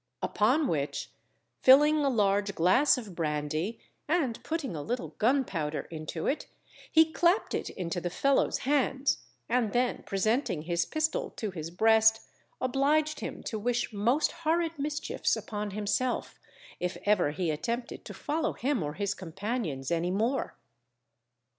_ Upon which, filling a large glass of brandy, and putting a little gunpowder into it, he clapped it into the fellow's hands, and then presenting his pistol to his breast, obliged him to wish most horrid mischiefs upon himself, if ever he attempted to follow him or his companions any more.